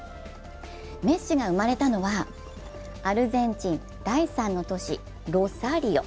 メッシが生まれたのはアルゼンチン第３の都市ロサリオ。